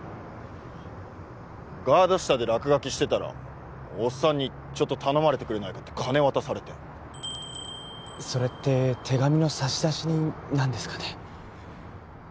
ガード下で落書きしてたらおっさんにちょっと頼まれてくれないかって金渡されてそれって手紙の差出人なんですかね？